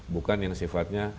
bukan yang sifatnya